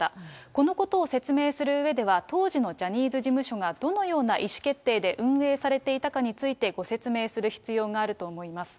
このことを説明するうえでは当時のジャニーズ事務所がどのような意思決定で運営されていたかについて、ご説明する必要があると思います。